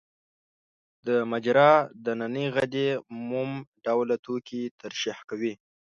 د مجرا د نني غدې موم ډوله توکي ترشح کوي.